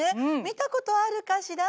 見たことあるかしら？